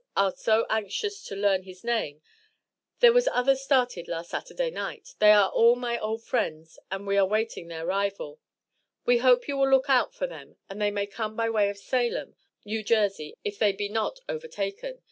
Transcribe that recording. are so anxious to Learn his name There was others started last Saturday night They are all my old friends and we are waiting their arrival, we hope you will look out for them they may come by way of Salem, N.J. if they be not overtaken.